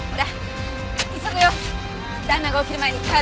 旦那が起きる前に帰らなきゃ。